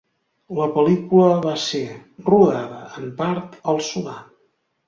La pel·lícula va ser rodada en part al Sudan.